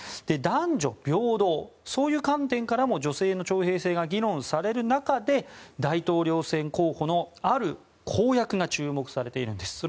男女平等そういう観点からも女性の徴兵制が議論される中で大統領選候補のある公約が注目されているんです。